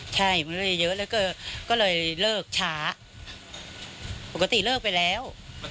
ใช่มันก็เลยเยอะแล้วก็ก็เลยเลิกช้าปกติเลิกไปแล้ว